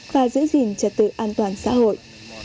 và giữ gìn trật tự an toàn xã hội